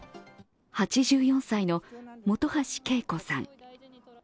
８４歳の本橋桂子さん。